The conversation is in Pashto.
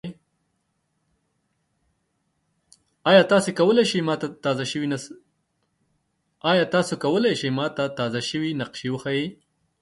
ایا تاسو کولی شئ ما ته تازه شوي نقشې وښایئ؟